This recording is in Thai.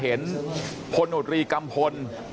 หกสิบล้าน